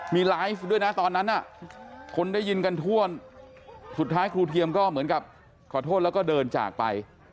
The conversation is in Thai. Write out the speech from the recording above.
มีไลฟ์ด้วยนะตอนนั้นคนได้ยินกันทั่วสุดท้ายครูเทียมก็เหมือนกับขอโทษแล้วก็เดินจากไป